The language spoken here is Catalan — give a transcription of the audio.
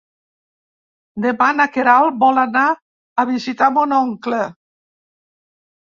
Demà na Queralt vol anar a visitar mon oncle.